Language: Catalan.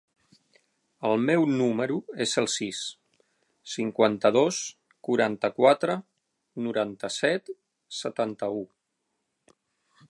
El meu número es el sis, cinquanta-dos, quaranta-quatre, noranta-set, setanta-u.